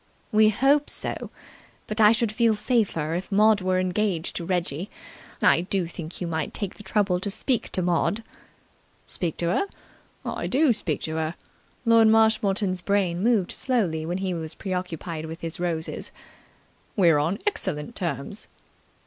"We hope so. But I should feel safer if Maud were engaged to Reggie. I do think you might take the trouble to speak to Maud." "Speak to her? I do speak to her." Lord Marshmoreton's brain moved slowly when he was pre occupied with his roses. "We're on excellent terms."